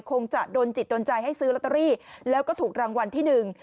คงจะโดนจิตโดนใจให้ซื้อลอตเตอรี่แล้วก็ถูกรางวัลที่หนึ่ง